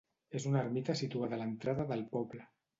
És una ermita situada a l'entrada del poble.